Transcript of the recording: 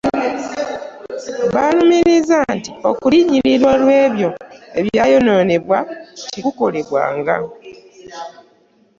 Balumiriza nti okuliyirirwa olw’ebyo ebyayononebwa tekukolebwanga.